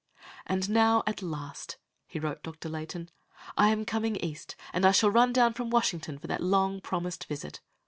"And now, at last," he wrote Dr. Layton, "I am coming East, and I shall run down from Washington for that long promised visit.